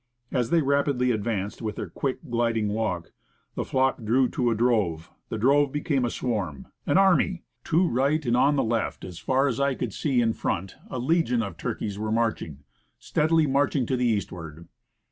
As they rapidly advanced with their quick, gliding walk, the flock grew to a drove, the drove became a swarm an army. To right and on the left, as far as I could see in front, a legion of turkeys were marching, steadily marching to the eastward.